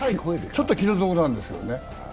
ちょっと気の毒なんですよね。